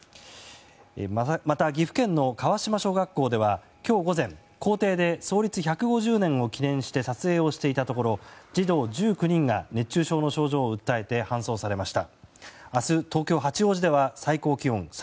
また、岐阜県の川島小学校では今日午前校庭で創立１５０年を記念して撮影をしていたところ児童１９人が熱中症の症状を訴えて搬送されました。